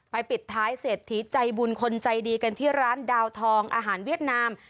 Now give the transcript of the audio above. ปิดท้ายเศรษฐีใจบุญคนใจดีกันที่ร้านดาวทองอาหารเวียดนาม